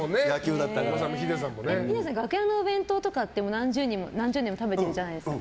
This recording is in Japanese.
ヒデさん、楽屋のお弁当とか何十年も食べてるじゃないですか。